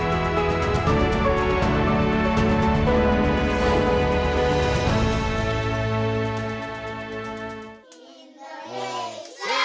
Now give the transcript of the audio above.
indonesia tanah airmu tanah tumpah darahku